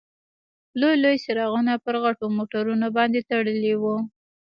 لوی لوی څراغونه پر غټو موټرونو باندې تړلي وو.